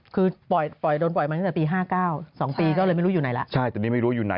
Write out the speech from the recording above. คือโดนปล่อยมาตั้งแต่ปี๕๙๒ปีก็เลยไม่รู้อยู่ไหนละ